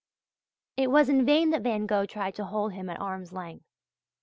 It was in vain that Van Gogh tried to hold him at arm's length.